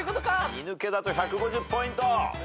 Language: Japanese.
２抜けだと１５０ポイント。